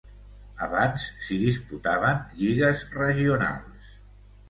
Abans s'hi disputaven lligues regionals.